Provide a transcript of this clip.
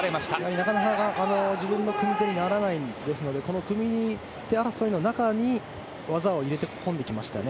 なかなか自分の組み手にならないのでこの組み手争いの中に技を入れ込んできましたね。